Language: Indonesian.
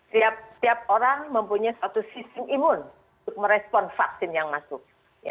setiap orang mempunyai suatu sistem imun untuk merespon vaksin yang masuk